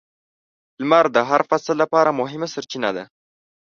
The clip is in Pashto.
• لمر د هر فصل لپاره مهمه سرچینه ده.